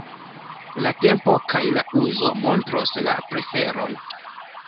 La tempo kaj la uzo montros la preferon.